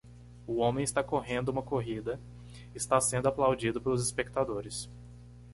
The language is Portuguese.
O homem está correndo uma corrida está sendo aplaudido pelos espectadores.